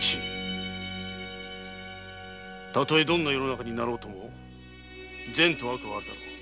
例えどんな世の中になろうとも善悪はある。